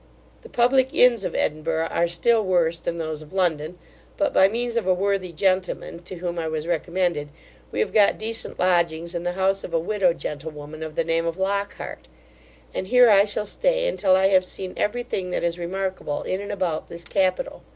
The public inns of Edinburgh are still worse than those of London; but by means of a worthy gentleman, to whom I was recommended, we have got decent lodgings in the house of a widow gentlewoman of the name of Lockhart; and here I shall stay until I have seen every thing that is remarkable in and about this capital.